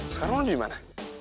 sekarang lo dimana